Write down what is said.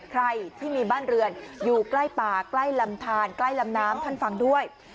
ใครที่มีบ้านเรือนอยู่ใกล้ป่าใกล้ลำทานใกล้ลำน้ำท่านฟังด้วย